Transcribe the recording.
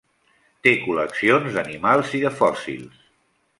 Té col·leccions d'animals i de fòssils.